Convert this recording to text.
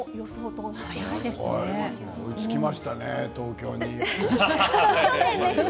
追いつきましたね東京に。